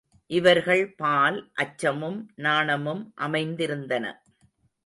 இவர்கள்பால் அச்சமும் நாணமும் அமைந்திருந்தன.